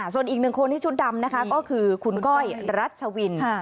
ส่วนอีกหนึ่งคนที่ชุดดำนะคะก็คือคุณก้อยรัชวิน